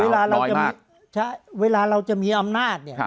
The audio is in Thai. เวลาเราจะมีเวลาเราจะมีอำนาจเนี่ย